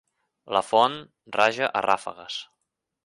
La font raja a rafegues.